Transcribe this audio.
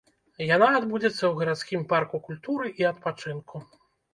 Яна адбудзецца ў гарадскім парку культуры і адпачынку.